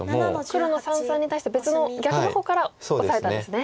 黒の三々に対して別の逆の方からオサえたんですね。